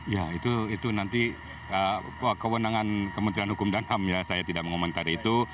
ya itu nanti kewenangan kementerian hukum dan ham ya saya tidak mengomentari itu